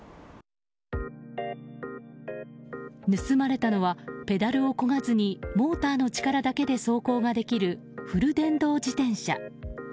盗まれたのはペダルを漕がずにモーターの力だけで走行ができるフル電動自転車。